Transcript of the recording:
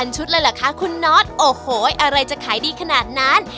๑๐๐๐ชุดเลยละคะคุณนอทโอ้โหอะไรจะขายดีขนาดนั้น